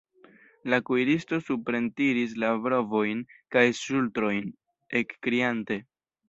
La kuiristo suprentiris la brovojn kaj ŝultrojn, ekkriante: